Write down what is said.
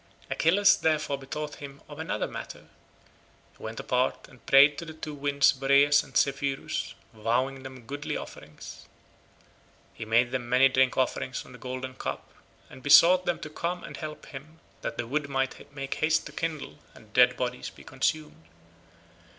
Achilles therefore bethought him of another matter; he went apart and prayed to the two winds Boreas and Zephyrus vowing them goodly offerings. He made them many drink offerings from the golden cup and besought them to come and help him that the wood might make haste to kindle and the dead bodies be consumed.